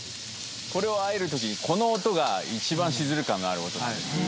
これをあえる時この音が一番シズル感がある音なんです